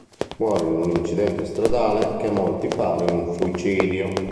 Muore in un incidente stradale, che a molti pare un suicidio.